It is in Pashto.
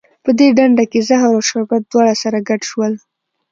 په دې ډنډه کې زهر او شربت دواړه سره ګډ شول.